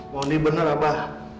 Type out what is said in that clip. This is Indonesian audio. maundi benar abah